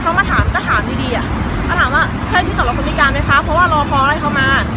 ก็ถามว่าใช่ที่สำหรับคนมีการไหมคะเพราะว่ารอพอให้เขามา